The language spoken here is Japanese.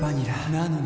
なのに．．．